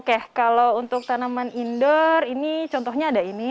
oke kalau untuk tanaman indoor ini contohnya ada ini